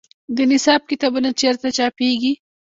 د نصاب کتابونه چیرته چاپیږي؟